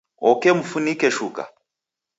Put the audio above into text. Oke mufunike shuka